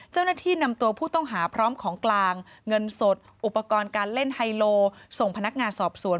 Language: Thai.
เจ้าหน้าที่นำตัวผู้ต้องหาพร้อมของกลางเงินสดอุปกรณ์การเล่นไฮโลส่งพนักงานสอบสวน